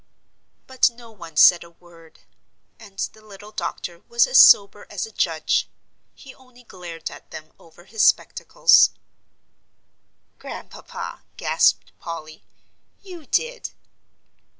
But no one said a word. And the little doctor was as sober as a judge. He only glared at them over his spectacles. "Grandpapa," gasped Polly, "you did."